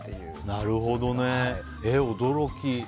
なるほどね、驚き。